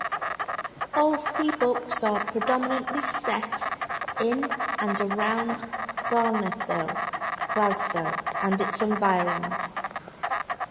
All three books are predominantly set in and around Garnethill, Glasgow, and its environs.